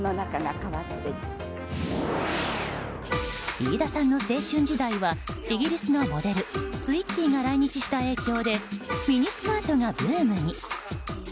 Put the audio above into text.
飯田さんの青春時代はイギリスのモデルツイッギーが来日した影響でミニスカートがブームに。